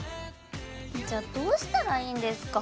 じゃあどうしたらいいんですか？